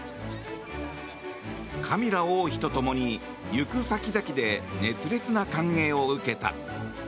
カミラ王妃と共に行く先々で熱烈な歓迎を受けた。